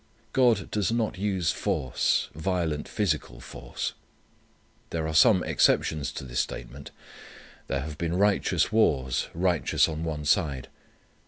God does not use force, violent physical force. There are some exceptions to this statement. There have been righteous wars, righteous on one side.